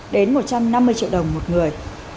đến một trăm năm mươi triệu đồng một người